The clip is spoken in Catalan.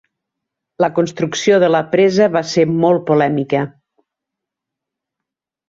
La construcció de la presa va ser molt polèmica.